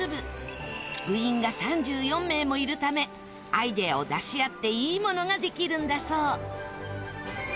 部員が３４名もいるためアイデアを出し合っていいものができるんだそう